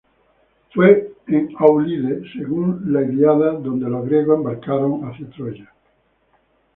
Fue en Áulide, según la "Ilíada", donde los griegos embarcaron hacia Troya.